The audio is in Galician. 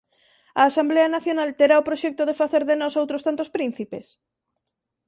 A Asemblea Nacional terá o proxecto de facer de nós outros tantos príncipes?